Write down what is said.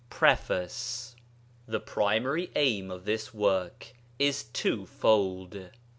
PREFACE The primary aim of this work is twofold.